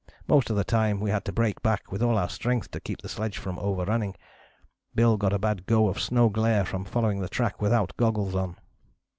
Most of the time we had to brake back with all our strength to keep the sledge from overrunning. Bill got a bad go of snow glare from following the track without goggles on.